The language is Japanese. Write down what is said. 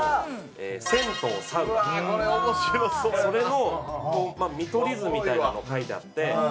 銭湯サウナそれの見取り図みたいなのが描いてあって。